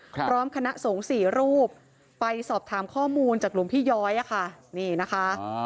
พร้อมคณะส่งสี่รูปไปสอบถามข้อมูลจากลุงพี่ย้อยอะค่ะ